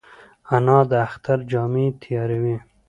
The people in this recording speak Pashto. انا د اختر جامې تیاروي